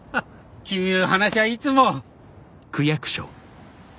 君の話はいつも。